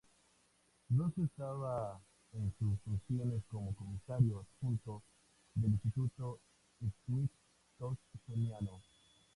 Rose estaba en sus funciones como comisario adjunto del Instituto Smithsoniano.